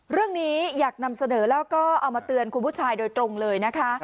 อยากนำเสนอแล้วก็เอามาเตือนคุณผู้ชายโดยตรงเลยนะคะ